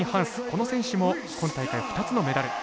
この選手も今大会２つのメダル。